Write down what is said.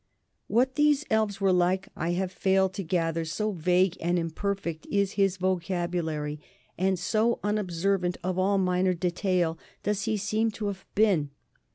What these elves were like I have failed to gather, so vague and imperfect is his vocabulary, and so unobservant of all minor detail does he seem to have been.